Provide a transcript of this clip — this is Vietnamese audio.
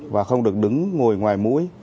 và không được đứng ngồi ngoài mũi